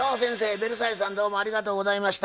ベルサイユさんどうもありがとうございました。